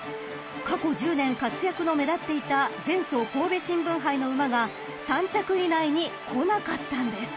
［過去１０年活躍の目立っていた前走神戸新聞杯の馬が３着以内にこなかったんです］